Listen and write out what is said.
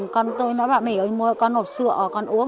con tôi nó bảo mẹ ơi mua con uống sữa con uống